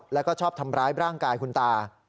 แล้วก็ชอบทำร้ายร่างกายคุณตา